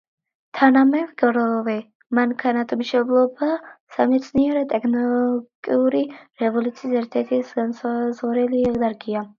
თანამედროვე მანქანათმშენებლობა სამეცნიერო–ტექნიკური რევოლუციის ერთ–ერთი განმსაზღვრელი დარგია.